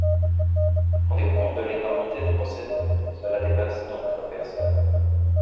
Rendez-vous compte de l’énormité du procédé ! Cela dépasse donc nos personnes.